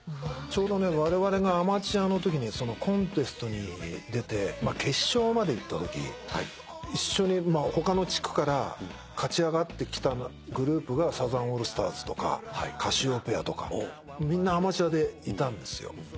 ちょうどねわれわれがアマチュアのときにコンテストに出て決勝まで行ったとき一緒に他の地区から勝ち上がってきたグループがサザンオールスターズとかＣＡＳＩＯＰＥＡとかみんなアマチュアでいたんですよ。